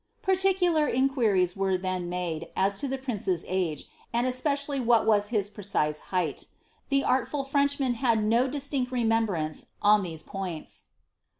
Particular inquiries were then nwde as to the princess age, and especially what was his precise height. The artful Frenchman had no d is tin CI remembrance on these points.